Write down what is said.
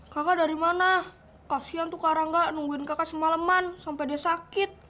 kakak dari mana kasian tuh karang gak nungguin kakak semaleman sampai dia sakit